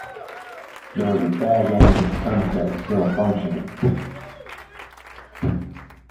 There was a fag-end of sunset still functioning.